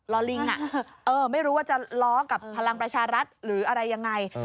อลิงไม่รู้ว่าจะล้อกับพลังประชารัฐหรืออะไรยังไง